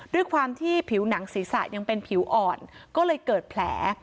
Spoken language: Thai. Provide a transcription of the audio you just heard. ด้วยความที่ผิวหนังศีรษะยังเป็นผิวอ่อนก็เลยเกิดแผล